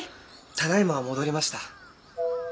ただいま戻りました。